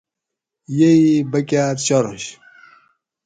یہ ای بکۤار چارنش